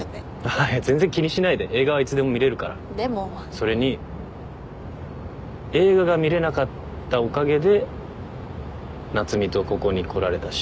それに映画が見れなかったおかげで夏海とここに来られたし。